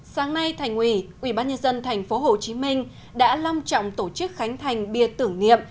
sáng nay thành ủy ubnd tp hcm đã long trọng tổ chức khánh thành bia tưởng niệm